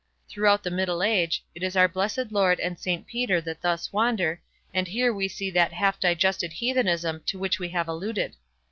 Throughout the Middle Age, it is our blessed Lord and St Peter that thus wander, and here we see that half digested heathendom to which we have alluded.